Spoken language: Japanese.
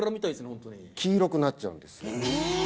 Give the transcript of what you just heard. ホントに黄色くなっちゃうんです